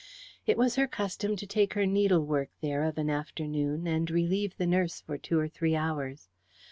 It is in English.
It was her custom to take her needlework there of an afternoon, and relieve the nurse for two or three hours.